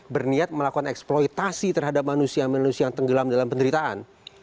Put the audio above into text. berniat melakukan eksploitasi terhadap manusia manusia yang tenggelam dalam penderitaan